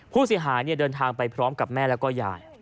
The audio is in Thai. ผู้เสียหายเดินทางไปพร้อมกับแม่แล้วก็ยาย